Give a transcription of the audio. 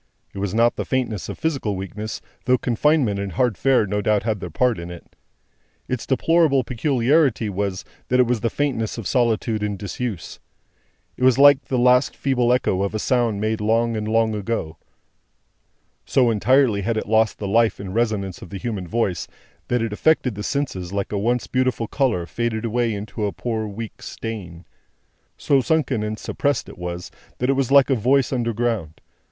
It was not the faintness of physical weakness, though confinement and hard fare no doubt had their part in it. Its deplorable peculiarity was, that it was the faintness of solitude and disuse. It was like the last feeble echo of a sound made long and long ago. So entirely had it lost the life and resonance of the human voice, that it affected the senses like a once beautiful colour faded away into a poor weak stain. So sunken and suppressed it was, that it was like a voice underground.